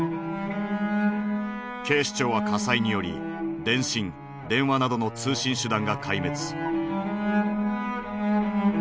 警視庁は火災により電信電話などの通信手段が壊滅。